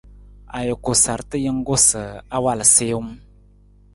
Ajuku sarta jungku sa awal siiwung.